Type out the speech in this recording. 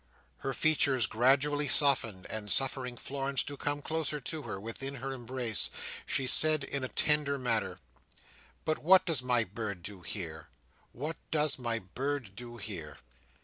Her features gradually softened; and suffering Florence to come closer to her, within her embrace, she said in a tender manner, "But what does my bird do here? What does my bird do here?"